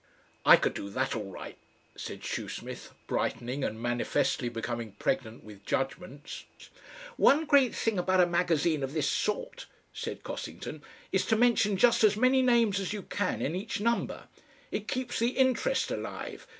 "I could do that all right," said Shoesmith, brightening and manifestly becoming pregnant with judgments. "One great thing about a magazine of this sort," said Cossington, "is to mention just as many names as you can in each number. It keeps the interest alive.